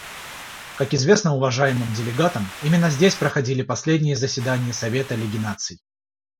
Как известно уважаемым делегатам, именно здесь проходили последние заседания Совета Лиги Наций.